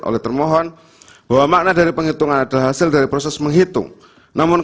oleh termohon bahwa makna dari penghitungan adalah hasil dari proses menghitung namun